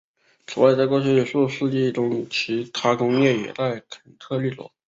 此外在过去数世纪中其它工业也在肯特立足。